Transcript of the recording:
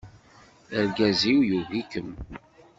Argaz-iw yugi-kem.